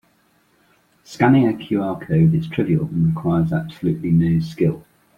Scanning a QR code is trivial and requires absolutely no skill.